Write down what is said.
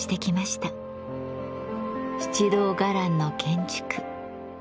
七堂伽藍の建築。